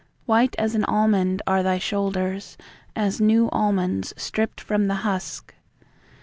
White as an almond are thy shoulders; As new almonds stripped from the husk.